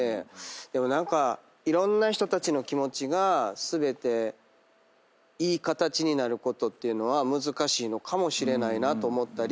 でも何かいろんな人たちの気持ちが全ていい形になることっていうのは難しいのかもしれないなと思ったり。